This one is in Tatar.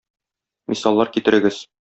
Мисаллар китерегез.